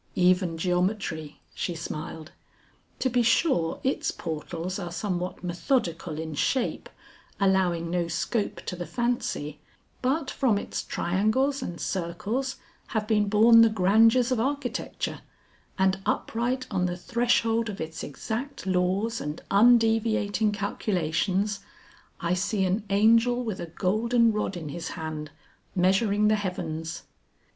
"Even geometry," she smiled. "To be sure its portals are somewhat methodical in shape, allowing no scope to the fancy, but from its triangles and circles have been born the grandeurs of architecture, and upright on the threshold of its exact laws and undeviating calculations, I see an angel with a golden rod in his hand, measuring the heavens."